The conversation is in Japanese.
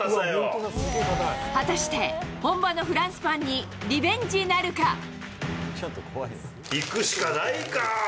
果たして本場のフランスパン行くしかないかー。